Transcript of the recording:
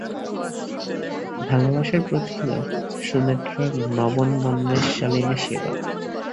ভালোবাসার প্রতিভা সুনেত্রার নবনবোন্মেষশালিনী সেবা।